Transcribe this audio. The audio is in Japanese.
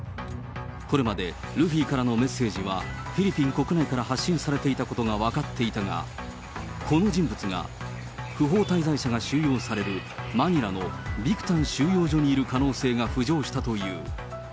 これまで、ルフィからのメッセージはフィリピン国内から発信されていたことが分かっていたが、この人物が、不法滞在者が収容される、マニラのビクタン収容所にいる可能性が浮上したという。